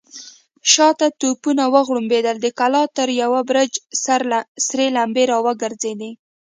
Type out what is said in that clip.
شاته توپونه وغړمبېدل، د کلا تر يوه برج سرې لمبې را وګرځېدې.